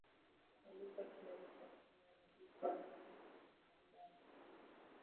Aliomba kibali cha kuwaadhibu Wahehe na alikubaliwa